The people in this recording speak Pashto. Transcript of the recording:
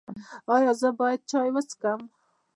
ایا زه باید چای وڅښم؟